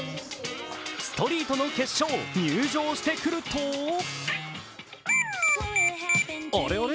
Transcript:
ストリートの決勝、入場してくるとあれあれ？